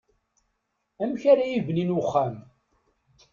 Amk ara yibnin uxxam.